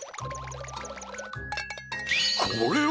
これは！